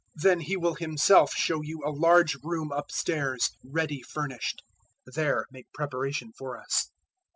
014:015 Then he will himself show you a large room upstairs, ready furnished: there make preparation for us."